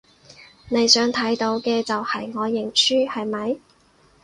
你想睇到嘅就係我認輸，係咪？